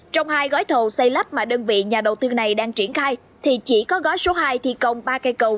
trong hai gói thầu xây lắp mà đơn vị nhà đầu tư này đang triển khai thì chỉ có gói số hai thi công ba cây cầu